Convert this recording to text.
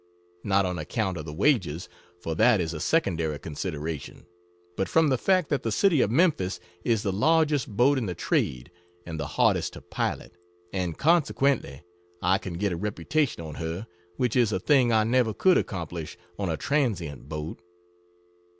Not on account of the wages for that is a secondary consideration but from the fact that the City of Memphis is the largest boat in the trade and the hardest to pilot, and consequently I can get a reputation on her, which is a thing I never could accomplish on a transient boat.